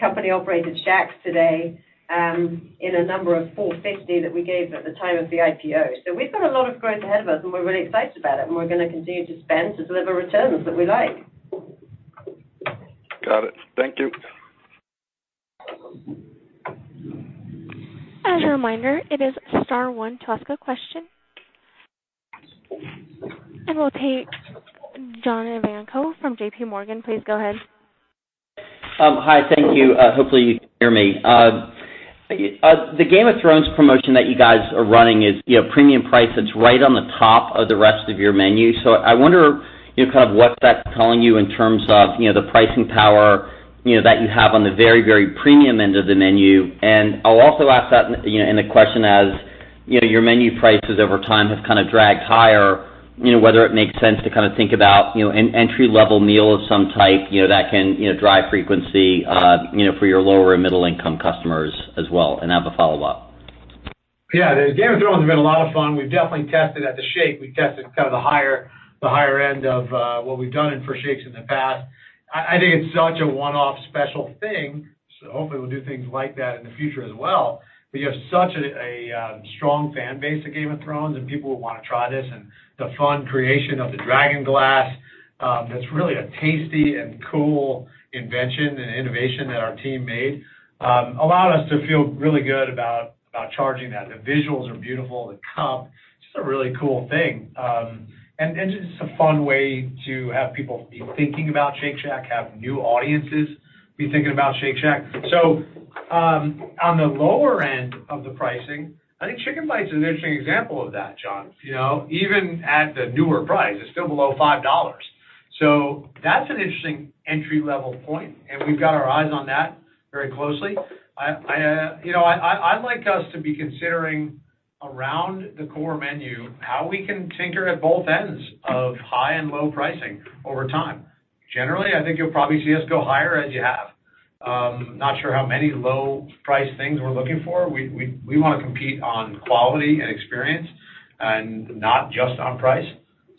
company-operated Shacks today in a number of 450 that we gave at the time of the IPO. We've got a lot of growth ahead of us, and we're really excited about it, and we're going to continue to spend to deliver returns that we like. Got it. Thank you. As a reminder, it is star one to ask a question. We'll take John Ivankoe from JPMorgan. Please go ahead. Hi. Thank you. Hopefully you can hear me. The "Game of Thrones" promotion that you guys are running is premium price that's right on the top of the rest of your menu. I wonder what that's telling you in terms of the pricing power that you have on the very premium end of the menu. I'll also ask that in the question as your menu prices over time have kind of dragged higher, whether it makes sense to think about an entry-level meal of some type that can drive frequency for your lower- and middle-income customers as well. I have a follow-up. Yeah. The "Game of Thrones" has been a lot of fun. We've definitely tested at the shake. We've tested kind of the higher end of what we've done for shakes in the past. I think it's such a one-off special thing, hopefully we'll do things like that in the future as well. You have such a strong fan base of "Game of Thrones" and people who want to try this and the fun creation of the Dragonglass Shake, that's really a tasty and cool invention and innovation that our team made, allowed us to feel really good about charging that. The visuals are beautiful, the cup, just a really cool thing. Just a fun way to have people be thinking about Shake Shack, have new audiences be thinking about Shake Shack. On the lower end of the pricing, I think Chicken Bites is an interesting example of that, John. Even at the newer price, it's still below $5. That's an interesting entry-level point, and we've got our eyes on that very closely. I'd like us to be considering around the core menu how we can tinker at both ends of high and low pricing over time. Generally, I think you'll probably see us go higher as you have. Not sure how many low price things we're looking for. We want to compete on quality and experience and not just on price.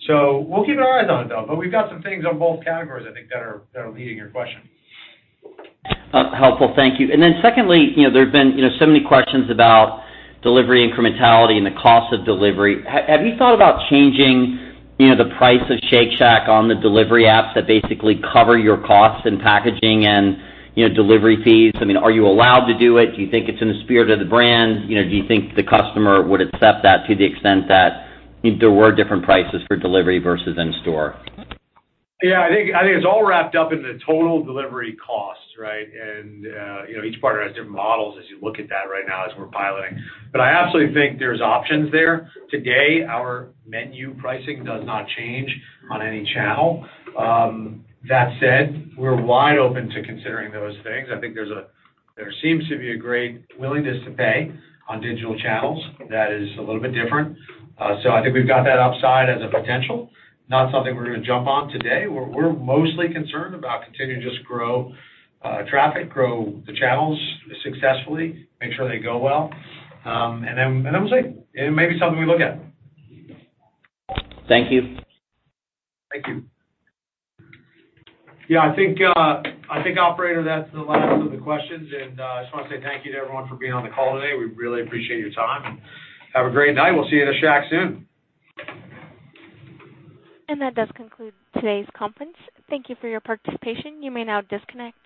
We'll keep our eyes on it, though. We've got some things on both categories I think that are leading your question. Helpful. Thank you. Secondly, there have been so many questions about delivery incrementality and the cost of delivery. Have you thought about changing the price of Shake Shack on the delivery apps that basically cover your costs and packaging and delivery fees? Are you allowed to do it? Do you think it's in the spirit of the brand? Do you think the customer would accept that to the extent that there were different prices for delivery versus in store? Yeah, I think it's all wrapped up in the total delivery cost, right? Each partner has different models as you look at that right now as we're piloting. I absolutely think there's options there. Today, our menu pricing does not change on any channel. That said, we're wide open to considering those things. I think there seems to be a great willingness to pay on digital channels that is a little bit different. I think we've got that upside as a potential, not something we're going to jump on today. We're mostly concerned about continuing to just grow traffic, grow the channels successfully, make sure they go well. We'll see. It may be something we look at. Thank you. Thank you. Yeah, I think, operator, that's the last of the questions. I just want to say thank you to everyone for being on the call today. We really appreciate your time. Have a great night. We'll see you at a Shack soon. That does conclude today's conference. Thank you for your participation. You may now disconnect.